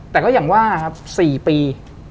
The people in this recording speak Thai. แต่ก็อย่างว่า๔ปี